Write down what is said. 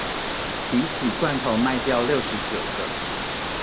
比起罐頭賣掉六十九個